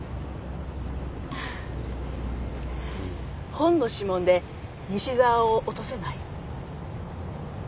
本の指紋で西沢を落とせない？